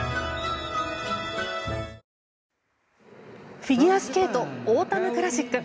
フィギュアスケートオータムクラシック。